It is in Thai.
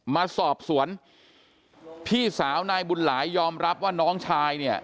มาสอบสวนพี่สาวนายบุญหลายยอมรับว่าน้องชายเนี่ย